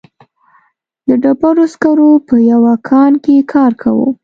د ډبرو سکرو په یوه کان کې کار کاوه.